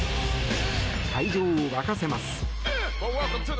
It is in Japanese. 会場を沸かせます。